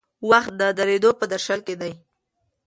وخت د درېدو په درشل کې دی.